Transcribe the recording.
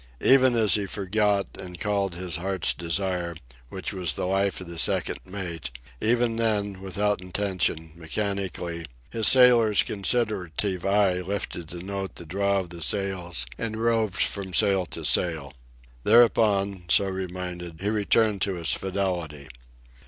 Even as he forgot and called his heart's desire, which was the life of the second mate, even then, without intention, mechanically, his sailor's considerative eye lifted to note the draw of the sails and roved from sail to sail. Thereupon, so reminded, he returned to his fidelity.